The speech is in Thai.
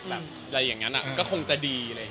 อะไรอย่างนั้นก็คงจะดีเลย